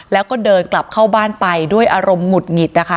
แล้วก็เดินกลับเข้าบ้านไปด้วยอารมณ์หงุดหงิดนะคะ